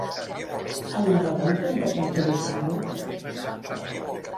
El narrador intenta tranquil·litzar-la?